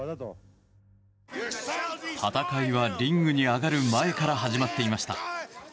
戦いはリングに上がる前から始まっていました。